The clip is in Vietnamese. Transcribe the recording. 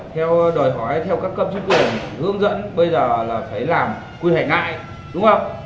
theo đòi hỏi theo các cấp chức quyền hướng dẫn bây giờ là phải làm quy hệ ngại đúng không